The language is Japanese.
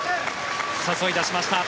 誘い出しました。